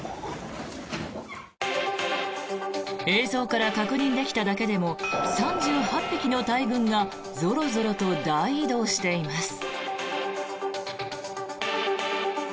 映像から確認できただけでも３８匹の大群がぞろぞろと大移動しています。